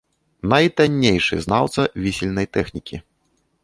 Найтаннейшы знаўца вісельнай тэхнікі.